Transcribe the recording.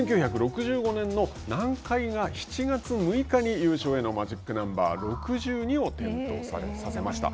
１９６５年の南海が７月６日に優勝へのマジックナンバー６２を点灯させました。